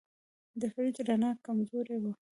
د فریج رڼا کمزورې وه.